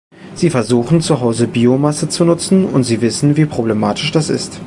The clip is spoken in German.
Sie versuchen, zu Hause Biomasse zu nutzen, und Sie wissen, wie problematisch das ist.